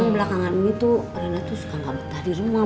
belakangan ini tuh rena suka gak betah di rumah